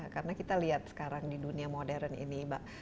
karena kita lihat sekarang di dunia modern ini mbak